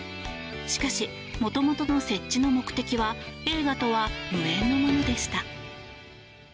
しかし、もともとの設置の目的は映画とは無縁のものでした。